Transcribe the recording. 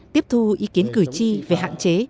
tiếp thu ý kiến cử tri về hạn chế